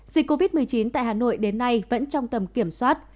dịch covid một mươi chín tại hà nội đến nay vẫn trong tầm kiểm soát